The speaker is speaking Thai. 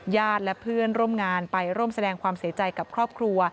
และเพื่อนร่วมงานไปร่วมแสดงความเสียใจกับครอบครัว